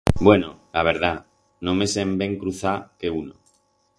Bueno, la verdat, només en vem cruzar que uno.